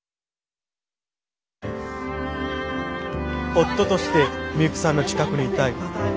夫としてミユキさんの近くにいたい。